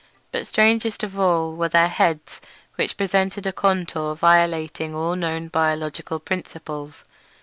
But strangest of all were their heads, which presented a contour violating all known biological principles.